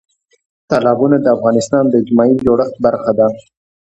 تالابونه د افغانستان د اجتماعي جوړښت برخه ده.